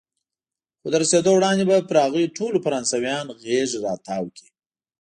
خو تر رسېدو وړاندې به پر هغوی ټولو فرانسویان غېږ را تاو کړي.